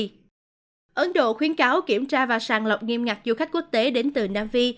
ấn độ khuyến cáo kiểm tra và sàng lọc nghiêm ngặt du khách quốc tế đến từ nam phi